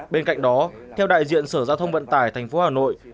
bên cạnh đó theo đại diện sở giao thông vận tải tp hà nội